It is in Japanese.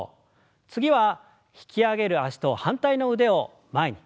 次は引き上げる脚と反対の腕を前に。